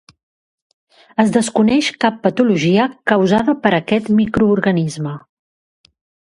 Es desconeix cap patologia causada per aquest microorganisme.